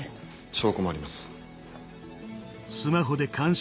証拠もあります。